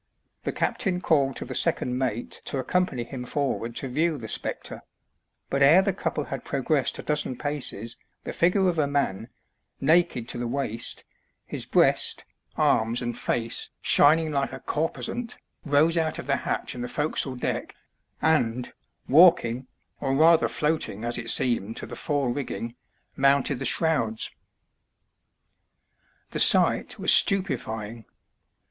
The captain called to the second mate to accompany him forward to view the spectre ; but ere the couple had progressed a dozen paces the figure of a man, naked to the waist, his breast, arms, and face shining like a corposant, rose out of the hatch in the forecastle deck, and, walking, or rather floating as it seemed, to the fore rigging, mounted the shrouds. The sight was stupefying.